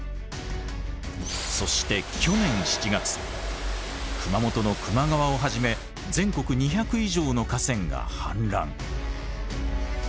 そして去年７月熊本の球磨川をはじめ全国２００以上の河川が氾濫。